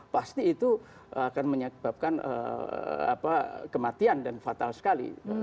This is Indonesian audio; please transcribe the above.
pasti itu akan menyebabkan kematian dan fatal sekali